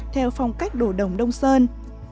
theo phong cách đồ đồng đông sơn